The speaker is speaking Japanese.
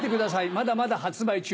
まだまだ発売中。